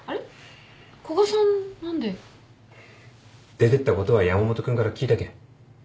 出てったことは山本君から聞いたけん。